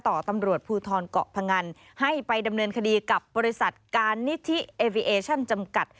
ต่อตำรวจภูทรเกาะพงันให้ไปดำเนินคดีกับบริษัทการนิธิเอวิเอชั่นจำกัด